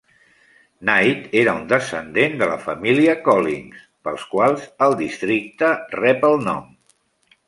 Knight era un descendent de la família Collings pels quals, el districte rep el nom.